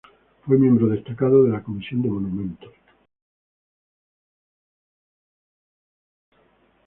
Fue miembro destacado de la Comisión de Monumentos.